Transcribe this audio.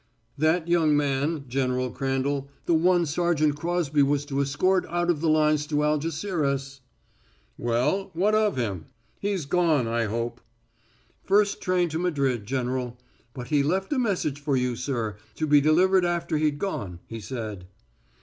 "That young man, General Crandall, the one Sergeant Crosby was to escort out of the lines to Algeciras " "Well, what of him? He's gone, I hope." "First train to Madrid, General; but he left a message for you, sir, to be delivered after he'd gone, he said."